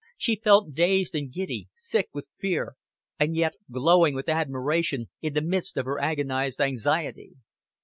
She felt dazed and giddy, sick with fear, and yet glowing with admiration in the midst of her agonized anxiety.